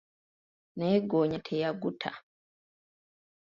Naye ggoonya teyagutta.